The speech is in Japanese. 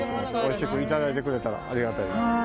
おいしくいただいてくれたらありがたいです。